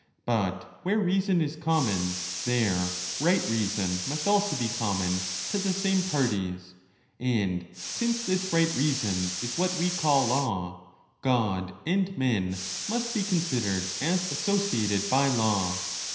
But where reason is common, there right reason must also be common to the same parties; and since this right reason is what we call law, God and men must be considered as associated by law.